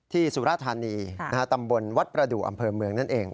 สุรธานีตำบลวัดประดูกอำเภอเมืองนั่นเอง